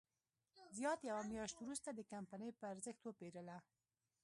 زیات یوه میاشت وروسته د کمپنۍ په ارزښت وپېرله.